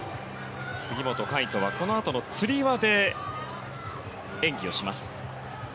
杉本海誉斗はこのあとのつり輪で演技をします。